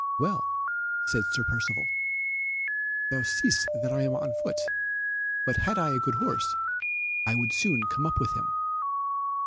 "Well," said Sir Percivale, "thou seest that I am on foot, but had I a good horse I would soon come up with him."